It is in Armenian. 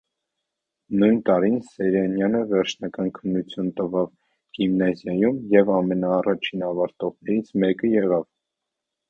Նույն տարին Սեյրանյանը վերջնական քննություն տվավ գիմնազիոնում և ամենաառաջին ավարտողներից մեկը եղավ: